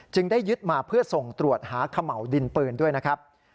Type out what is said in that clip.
ได้ยึดมาเพื่อส่งตรวจหาเขม่าวดินปืนด้วยนะครับ